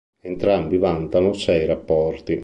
Entrambi vantano sei rapporti.